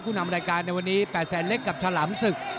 คุณอำนาจรายการในวันนี้แปดแสนเล็กกับชลามสึก